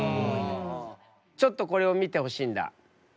ちょっとこれを見てほしいんだ。